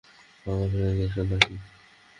পাগল হয়ে গেছো না-কি?